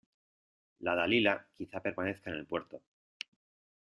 " la Dalila " quizá permanezca en el puerto :